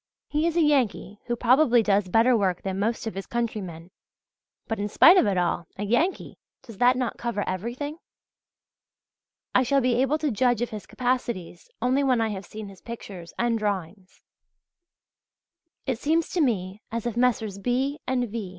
He is a Yankee who probably does better work than most of his countrymen; but in spite of it all a Yankee! Does that not cover everything? I shall be able to judge of his capacities only when I have seen his pictures and drawings. It seems to me as if Messrs. B. and V.